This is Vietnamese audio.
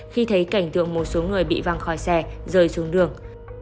khi thấy cảnh tượng một số người bị văng khỏi xe rơi xuống đường